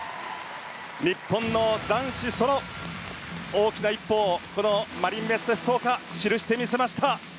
日本の男子ソロ、大きな一歩をこのマリンメッセ福岡記してみせました。